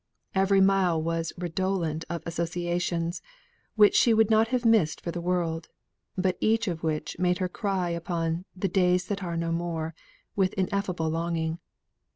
Every mile was redolent of associations, which she would not have missed for the world, but each of which made her cry upon "the days that are no more," with ineffable longing.